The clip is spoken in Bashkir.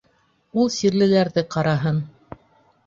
— Ул сирлеләрҙе ҡараһын.